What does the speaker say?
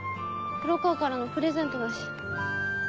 黒川からのプレゼントだし。